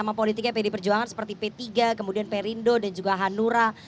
sama politiknya pd perjuangan seperti p tiga kemudian perindo dan juga hanura